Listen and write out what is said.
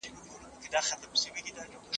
د متاهلینو حالت یې مطالعه کړ.